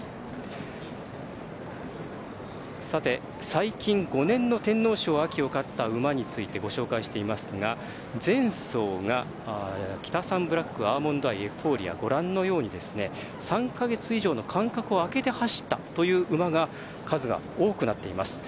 最近５年の天皇賞を勝った馬についてご紹介していますが前走がキタサンブラックアーモンドアイ、エフフォーリアご覧のように３か月以上の間隔を空けて走った馬の数が多くなっています。